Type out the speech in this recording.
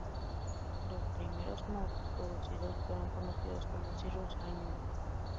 Los primeros Moth producidos fueron conocidos como Cirrus I Moth.